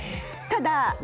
ただ？